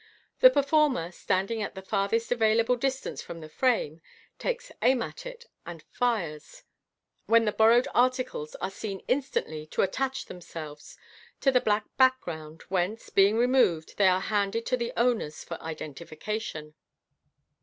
The performer, stand ing at the farthest available distance from the frame, takes aim at it, and fires, when the borrowed articles are seen instantly to attach themselves I Fig. 292. 464 MODERN MAGIC, the black background, whence, being removed^ they are handed to the owners for identification.